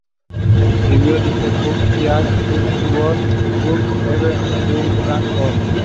El estribillo dice: "Fuck it all, fuck this world, fuck everything you stand for.